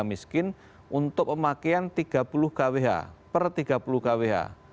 miskin untuk pemakaian tiga puluh kwh per tiga puluh kwh